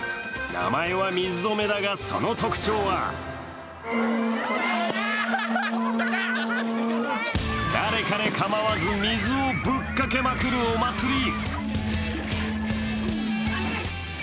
名前は水止だが、その特徴は誰かれ構わず、水をぶっかけまくるお祭り。